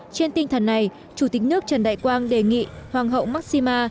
trên tin thần này chủ tịch nước trần đại quang đề nghị hoàng hậu maxima